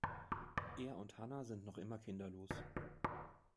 Er und Hanna sind noch immer kinderlos.